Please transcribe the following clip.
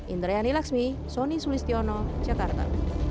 indra yani laksmi soni sulistiono cetarta